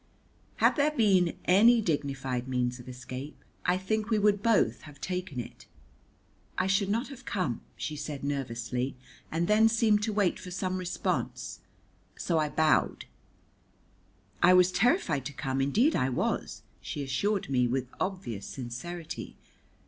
Had there been any dignified means of escape, I think we would both have taken it. "I should not have come," she said nervously, and then seemed to wait for some response, so I bowed. "I was terrified to come, indeed I was," she assured me with obvious sincerity.